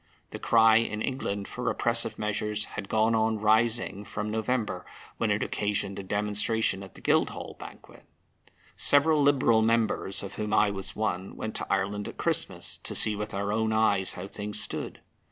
The cry in England for repressive measures had gone on rising from November, when it occasioned a demonstration at the Guildhall banquet. Several Liberal members (of whom I was one) went to Ireland at Christmas, to see with our own eyes how things stood.